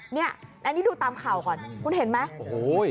เนี่ยอันนี้ดูตามข่าวก่อนคุณเห็นไหมโอ้โห